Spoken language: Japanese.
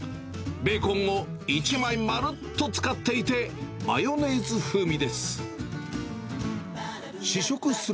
ベーコンを１枚まるっと使っていて、マヨネーズ風味です。